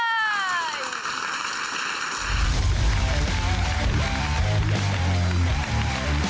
พร้อมแล้วก็โกนเลย